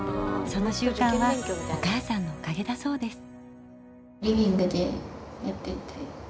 その習慣はお母さんのおかげだそうです。